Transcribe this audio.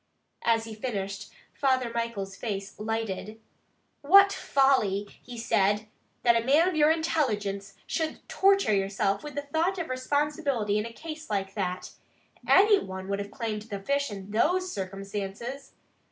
As he finished Father Michael's face lighted. "What folly!" he said, "that a man of your intelligence should torture yourself with the thought of responsibility in a case like that. Any one would have claimed the fish in those circumstances.